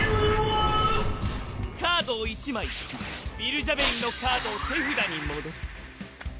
カードを１枚引きヴィルジャベリンのカードを手札に戻す。